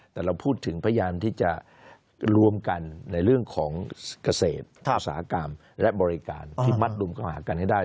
แต่เราพูดถึงพยายามที่จะรวมกันในเรื่องของเกษตรอุตสาหกรรมและบริการที่มัดรุมเข้าหากันให้ได้